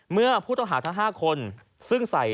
เมื่อผู้ต้องหาทั้ง๕คน